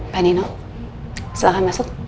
pak nino silakan masuk